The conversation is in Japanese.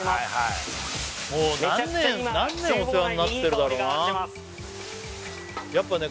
もう何年お世話になってるだろうなやっぱね